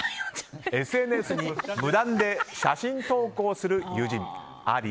ＳＮＳに無断で写真投稿する友人あり？